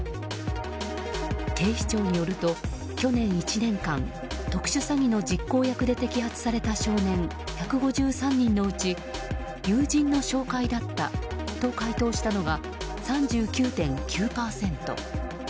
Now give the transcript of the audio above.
警視庁によると、去年１年間特殊詐欺の実行役で摘発された少年１５３人のうち友人の紹介だったと回答したのが３９．９％。